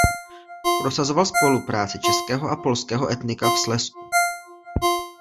Prosazoval spolupráci českého a polského etnika v Slezsku.